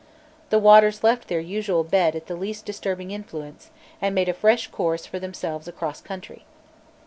The waters left their usual bed at the least disturbing influence, and made a fresh course for themselves across country.